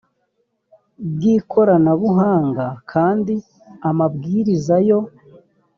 bw ikoranabuhanga kandi amabwiriza yo